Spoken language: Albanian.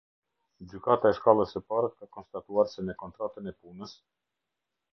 Gjykata e shkallës së parë ka konstatuar se me kontratën e punës.